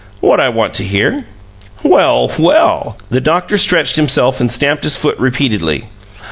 "What I want to hear." "Well, well!" The doctor stretched himself and stamped his foot repeatedly.